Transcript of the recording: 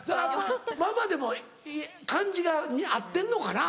「ママ」でも感じが合ってるのかな。